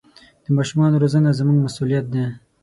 د ماشومانو روزنه زموږ مسوولیت دی.